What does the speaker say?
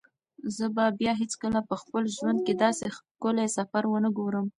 زه به بیا هیڅکله په خپل ژوند کې داسې ښکلی سفر ونه ګورم.